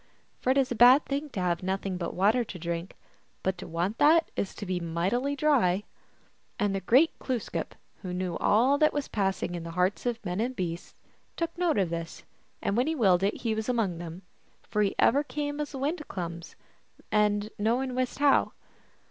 For it is a bad thing to have nothing but water to drink, but to want that is to be mightily dry. And the great Glooskap, who knew all that was passing in the hearts of men and beasts, took note of this, and when he willed it he was among them ; for he ever came as the wind comes, and no man wist how.